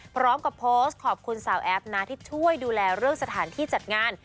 พร้อมกับโพสต์ขอบคุณสาวแอฟนะที่ช่วยดูแลเรื่องสถานที่จัดงาน